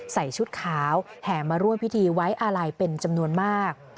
ชุดขาวแห่มาร่วมพิธีไว้อาลัยเป็นจำนวนมาก